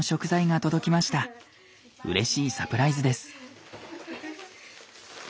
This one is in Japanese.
うれしいサプライズです。